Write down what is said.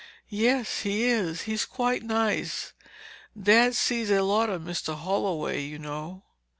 "Yes, he is. He's quite nice. Dad sees a lot of Mr. Holloway, you know."